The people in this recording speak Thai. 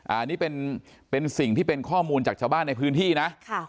อันนี้เป็นสิ่งที่เป็นข้อมูลจากชาวบ้านในพื้นที่นะ